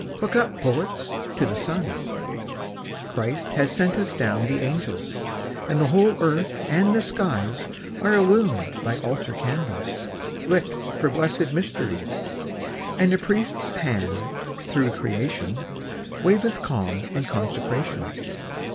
Look up, poets, to the sun ! Christ hath sent us down the angels; And the whole earth and the skies Are illumed by altar candles TRUTH. 35 Lit for blessed mysteries ; And a Priest's Hand, through creation, Waveth calm and consecration.